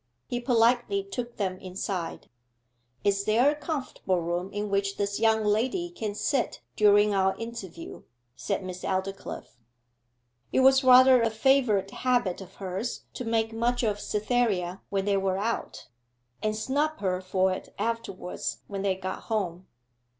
He politely took them inside. 'Is there a comfortable room in which this young lady can sit during our interview?' said Miss Aldclyffe. It was rather a favourite habit of hers to make much of Cytherea when they were out, and snub her for it afterwards when they got home.